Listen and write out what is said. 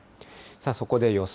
そこで予想